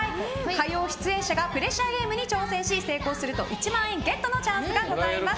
火曜出演者がプレッシャーゲームに挑戦し成功すると１万円ゲットのチャンスがございます。